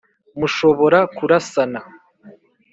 mushobora kurasana